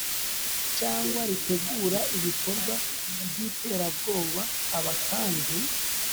Cyangwa ritegura ibikorwa by iterabwoba aba kandi